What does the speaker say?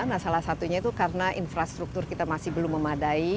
nah salah satunya itu karena infrastruktur kita masih belum memadai